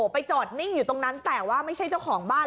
ไปจอดนิ่งอยู่ตรงนั้นแต่ว่าไม่ใช่เจ้าของบ้าน